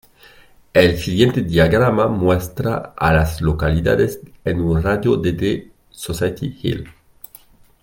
El siguiente diagrama muestra a las localidades en un radio de de Society Hill.